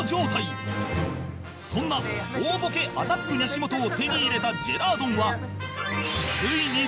そんな大ボケアタック西本を手に入れたジェラードンは